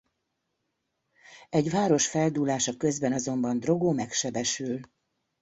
Egy város feldúlása közben azonban Drogo megsebesül.